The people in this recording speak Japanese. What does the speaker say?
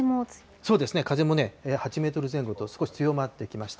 そうですね、風も８メートル前後と、少し強まってきました。